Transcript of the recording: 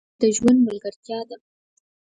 ملګري د ژوند ملګرتیا ده.